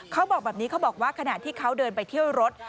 เขาบอกแบบนี้เขาบอกว่าขณะที่เขาเดินไปเที่ยวรถ